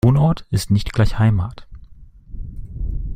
Wohnort ist nicht gleich Heimat.